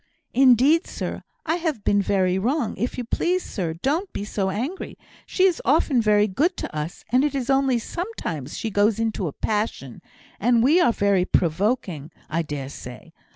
"Indeed, sir, I have been very wrong; if you please, sir, don't be so angry. She is often very good to us; it is only sometimes she goes into a passion; and we are very provoking, I dare say.